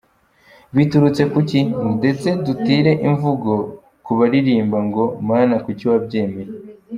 Byaturutse ku ki ?Ndetse dutire imvugo ku balirimba ngo «Mana, kuki wabyemeye ?».